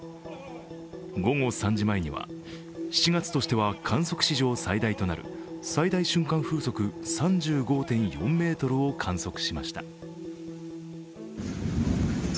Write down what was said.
午後３時前には、７月としては観測史上最大となる最大瞬間風速３５．４メートルを観測しました。